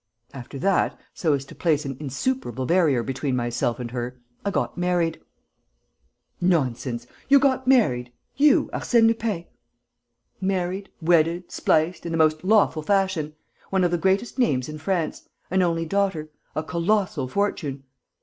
"After that, so as to place an insuperable barrier between myself and her, I got married." "Nonsense! You got married, you, Arsène Lupin?" "Married, wedded, spliced, in the most lawful fashion. One of the greatest names in France. An only daughter. A colossal fortune....